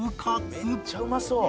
「めっちゃうまそう！」